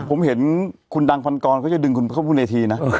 ผมเห็นคุณดังพันกรเขาจะดึงคุณเข้าบนเวทีนะ